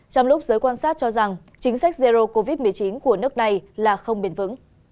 trong lúc giới quan sát cho rằng chính sách zero covid một mươi chín của nước này là không bền vững